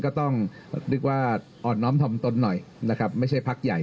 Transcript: ก็ต้องนึกว่าอ่อนน้อมถ่อมตนหน่อยนะครับไม่ใช่พักใหญ่